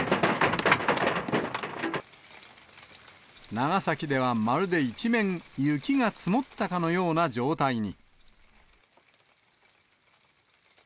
長崎ではまるで一面、雪が積もったかのような状態に。